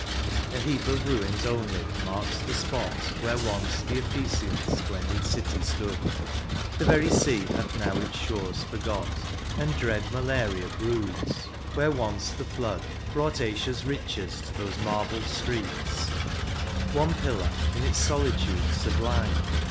VIII. 119 A heap of ruins only marks the spot Where once the Ephesian^s splendid city stood^ The very sea hath now its shores forgot. And dread malaria broods, where once the flood Brought Asians riches to those marble streets : One pillar, in its solitude sublime.